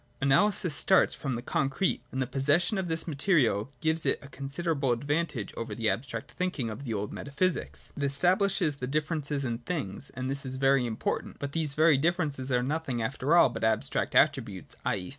Analysis starts from the concrete ; and the possession of this material gives it a considerable advantage over the abstract thinking of the old metaphysics. It estabhshes the differences in things : and this is very important : but these very differences are nothing after all but abstract attributes, /. e.